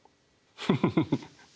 フフフフ。